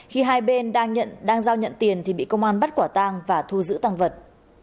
khi hai bên đang giao nhận tiền thì bị công an bắt quả tang và thu giữ tăng vật